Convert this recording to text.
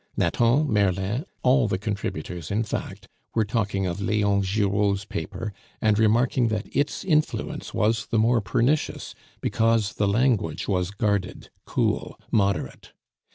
Nathan, Merlin, all the contributors, in fact, were talking of Leon Giraud's paper, and remarking that its influence was the more pernicious because the language was guarded, cool, moderate.